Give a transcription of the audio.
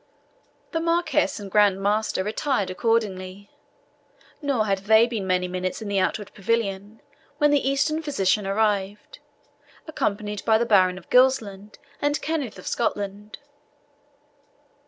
The Marquis and Grand Master retired accordingly; nor had they been many minutes in the outward pavilion when the Eastern physician arrived, accompanied by the Baron of Gilsland and Kenneth of Scotland.